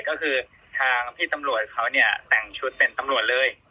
ก็คือทางพี่ตำรวจเขาเนี่ยแต่งชุดเป็นตำรวจเลย